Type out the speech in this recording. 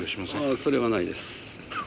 ああそれはないです。